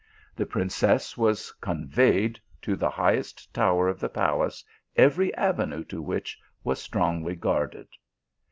The princess was conveyed to the highest tower of the palace, every avenue to which was strongly guarded.